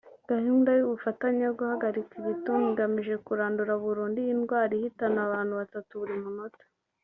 Gahunda y’ubufatanye yo guhagarika igituntu igamije kurandura burundu iyi ndwara ihitana abantu batatu buri munota